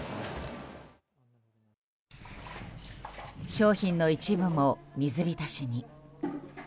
商品の一部も水浸しに。